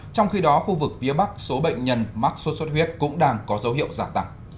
trong khi đó khu vực phía bắc số bệnh nhân mắc sốt xuất huyết cũng đang có dấu hiệu giả tẳng